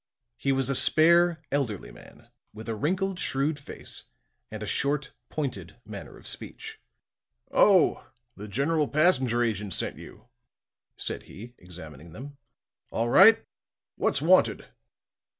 He was a spare, elderly man with a wrinkled, shrewd face, and a short, pointed manner of speech. "Oh, the General Passenger Agent sent you?" said he, examining them. "All right. What's wanted?"